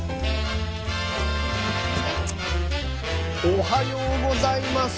おはようございます。